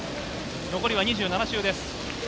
残り２７周です。